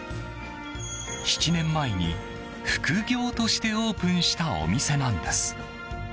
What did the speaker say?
７年前に副業としてオープンしたお店なんです。